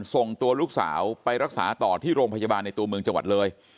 ส่งตัวลูกสาวไปรักษาต่อที่โรงพยาบาลในตัวเมืองจังหวัดเลย